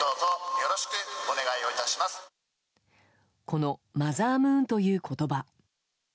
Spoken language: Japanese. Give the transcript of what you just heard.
このマザームーンという言葉。